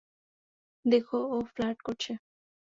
দেখো, ও ফ্লার্ট করছে।